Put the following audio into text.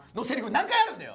何回あるんだよ！